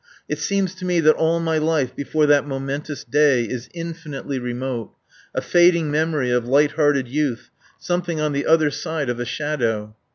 It seems to me that all my life before that momentous day is infinitely remote, a fading memory of light hearted youth, something on the other side of a shadow.